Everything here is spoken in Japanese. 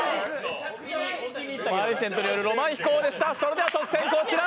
マレフィセントによる「浪漫飛行」でした、それでは得点こちら！